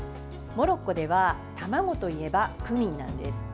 モロッコでは卵といえば、クミンなんです。